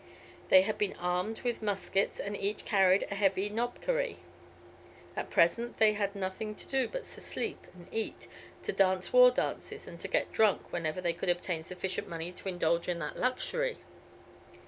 They had been armed with muskets, and each carried a heavy knobkerrie. At present they had nothing to do but to sleep and eat, to dance war dances, and to get drunk whenever they could obtain sufficient money to indulge in that luxury.